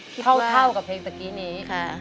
เท่ากับเพลงเท่าที่นี่